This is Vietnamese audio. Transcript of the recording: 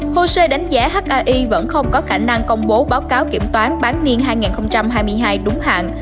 hồ sơ đánh giá hi vẫn không có khả năng công bố báo cáo kiểm toán bán niên hai nghìn hai mươi hai đúng hạn